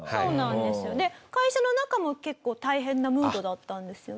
で会社の中も結構大変なムードだったんですよね。